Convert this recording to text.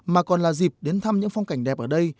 mà còn là dịp đến thăm những phong cảnh đẹp ở đây